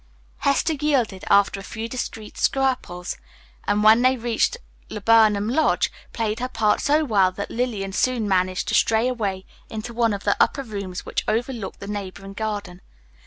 Hester yielded, after a few discreet scruples, and when they reached Laburnum Lodge played her part so well that Lillian soon managed to stray away into one of the upper rooms which overlooked the neighboring garden.